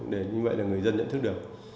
để như vậy là người dân nhận thức được